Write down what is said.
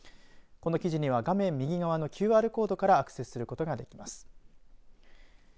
この記事には画面右側のＱＲコードからアクセスすることができます。